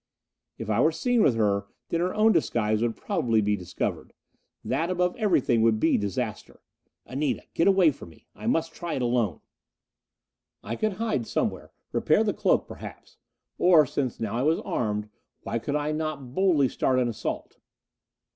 If I were seen with her, then her own disguise would probably be discovered. That above everything would be disaster! "Anita, get away from me! I must try it alone!" I could hide somewhere, repair the cloak perhaps. Or, since now I was armed, why could I not boldly start an assault?